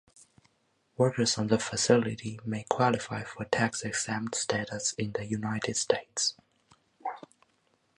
Workers on the facility may qualify for tax-exempt status in the United States.